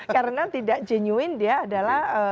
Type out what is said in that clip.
karena tidak jenuin dia adalah